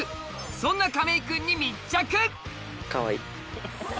そんな亀井君に密着！